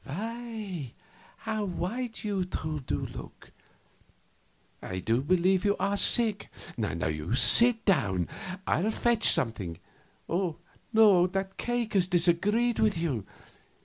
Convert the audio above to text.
Why, how white you two do look! I do believe you are sick. Sit down; I'll fetch something. That cake has disagreed with you.